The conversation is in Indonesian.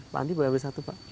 pak andi boleh diambil satu pak